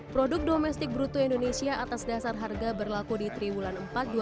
produk domestik bruto indonesia atas dasar harga berlaku di triwulan empat dua ribu dua puluh